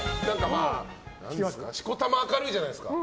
しこたま明るいじゃないですか。